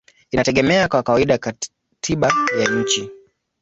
inategemea kwa kawaida katiba ya nchi.